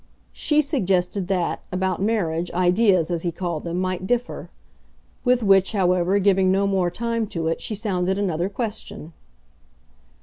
She suggested that, about marriage, ideas, as he called them, might differ; with which, however, giving no more time to it, she sounded another question.